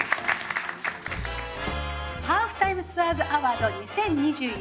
『ハーフタイムツアーズ』アワード２０２１